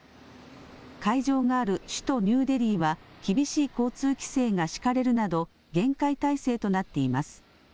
会場がある首都ニューデリーは厳しい交通規制が敷かれるなど厳戒態勢となっています。